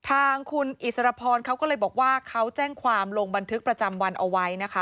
ทางคุณอิสรพรเขาก็เลยบอกว่าเขาแจ้งความลงบันทึกประจำวันเอาไว้นะคะ